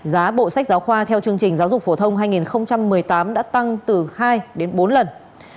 giá bộ sách giáo khoa theo chương trình giáo dục phổ thông hai nghìn một mươi tám đã tăng từ hai đến bốn lần